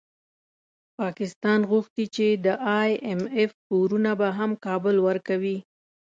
پاکستان غوښتي چي د ای اېم اېف پورونه به هم کابل ورکوي